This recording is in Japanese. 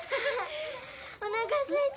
おなかすいた！